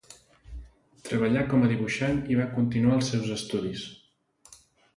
Treballà com a dibuixant i va continuar els seus estudis.